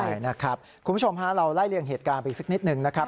ใช่นะครับคุณผู้ชมฮะเราไล่เลี่ยงเหตุการณ์ไปอีกสักนิดหนึ่งนะครับ